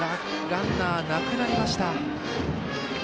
ランナーなくなりました。